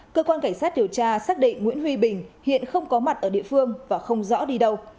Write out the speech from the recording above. cơ quan cảnh sát điều tra xác định nguyễn huy bình hiện không có mặt ở địa phương và không rõ đi đâu